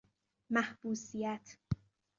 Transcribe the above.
محبوسیت